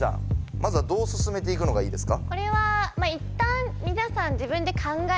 まずはどう進めていくのがいいですか？